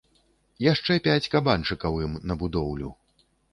Яшчэ пяць кабанчыкаў ім на будоўлю.